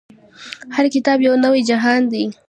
هر کتاب يو نوی جهان دی.